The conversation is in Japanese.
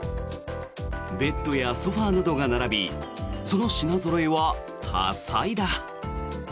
ベッドやソファなどが並びその品ぞろえは多彩だ。